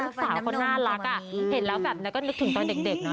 ลูกสาวเขาน่ารักอ่ะเห็นแล้วแบบนั้นก็นึกถึงตอนเด็กเนอ